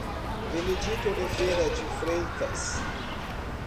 Benedito Oliveira de Freitas